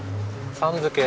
さん付け。